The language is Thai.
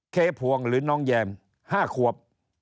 เคพวงหรือน้องแยม๕ขวบ